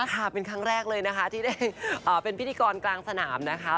ค่ะเป็นครั้งแรกเลยนะคะที่ได้เป็นพิธีกรกลางสนามนะคะ